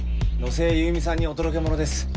野瀬優美さんにお届け物です。